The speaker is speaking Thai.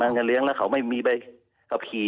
จะเลี้ยงแล้วเขาไม่มีใบขับขี่